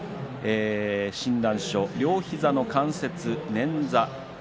診断書は、両膝の関節捻挫